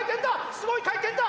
すごい回転だ！